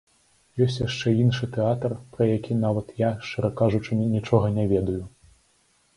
Ёсць яшчэ іншы тэатр, пра які нават я, шчыра кажучы, нічога не ведаю.